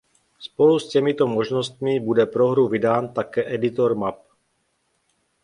Spolu s těmito možnostmi bude pro hru vydán také editor map.